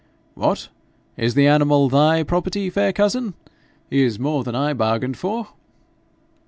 'What! is the animal thy property, fair cousin? He is more than I bargained for.'